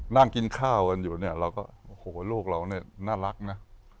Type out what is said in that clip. นั่งกินข้าวกันอยู่เนี่ยเราก็โอ้โหลูกเราเนี่ยน่ารักนะ